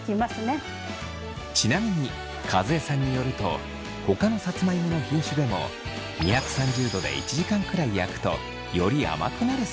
ちなみに和江さんによるとほかのさつまいもの品種でも２３０度で１時間くらい焼くとより甘くなるそう。